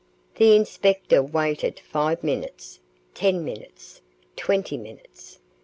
The inspector waited five minutes, ten minutes, twenty minutes.